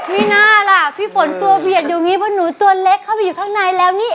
มีหน้าล่ะพี่ฝนตัวเผยดอยู่อย่างนี้เพราะหนูตัวเล็กเข้าไปอยู่ข้างในแล้วนี่